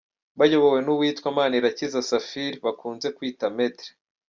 Bayobowe n’uwitwa Manirakiza Safiri bakunze kwita Maître.